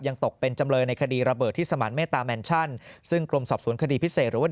ตกเป็นจำเลยในคดีระเบิดที่สมานเมตตาแมนชั่นซึ่งกรมสอบสวนคดีพิเศษหรือว่า